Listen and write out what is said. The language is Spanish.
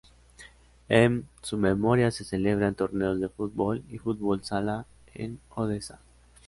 Em su memoria se celebran torneos de fútbol y fútbol sala en Odesa.